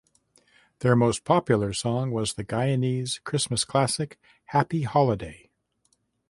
Their most popular song was the Guyanese Christmas classic "Happy Holiday".